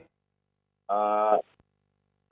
ya terima kasih